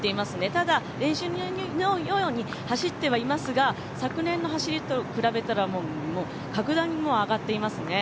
ただ、練習のように走ってはいますが、昨年の走りと比べたら、格段に上がっていますね。